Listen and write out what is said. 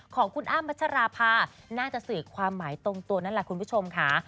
ของคุณอ้ำพัชราภาน่าจะสื่อความหมายตรงตัวนั่นแหละคุณผู้ชมค่ะ